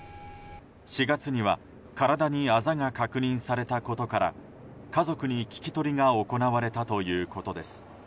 ４月には体にあざが確認されたことから家族に聞き取りが行われたということです。